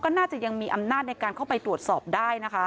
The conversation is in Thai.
ก็น่าจะยังมีอำนาจในการเข้าไปตรวจสอบได้นะคะ